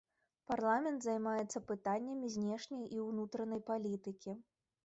Парламент займаецца пытаннямі знешняй і ўнутранай палітыкі.